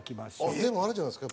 でもあれじゃないですか？